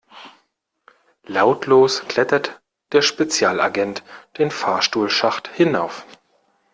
Lautlos klettert der Spezialagent den Fahrstuhlschacht hinauf.